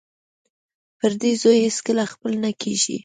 پردی زوی هېڅکله خپل نه کیږي